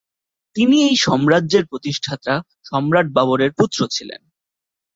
তিনি এই সাম্রাজ্যের প্রতিষ্ঠাতা সম্রাট বাবরের পুত্র ছিলেন।